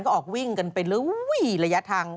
ก็ออกวิ่งกันไปเรื่อยระยะทาง